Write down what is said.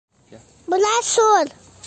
- Була шул.